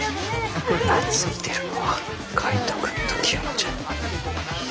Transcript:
懐いてるのは海斗くんと清乃ちゃん。